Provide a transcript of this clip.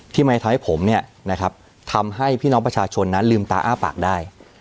ที่มันทำให้ผมทำให้พี่น้องประชาชนนั้นลืมตาอ้าปากได้